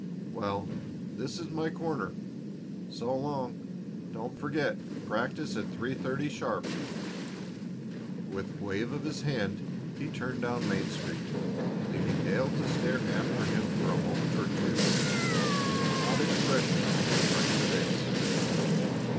Well, this is my corner. So long. Don't forget practice at three thirty sharp." With a wave of his hand he turned down Main Street, leaving Dale to stare after him for a moment or two, an odd expression on his freckled face.